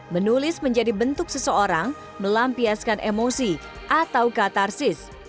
menulis menjadi bentuk seseorang melampiaskan emosi atau katarsis